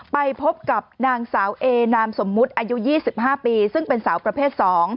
ไปพบกับนางสาวเอนามสมมุติอายุ๒๕ปีซึ่งเป็นสาวประเภท๒